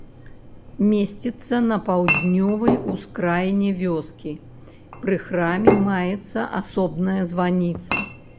Месціцца на паўднёвай ускраіне вёскі, пры храме маецца асобная званіца.